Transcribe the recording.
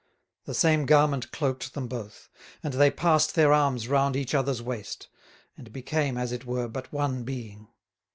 The same garment cloaked them both, and they passed their arms round each other's waist, and became as it were but one being.